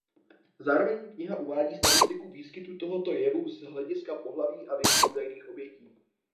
Zároveň kniha uvádí statistiku výskytu tohoto jevu z hlediska pohlaví a věku údajných obětí.